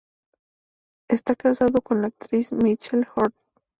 Está casado con la actriz Michelle Hurd.